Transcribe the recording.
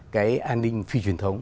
cái an ninh phi truyền thống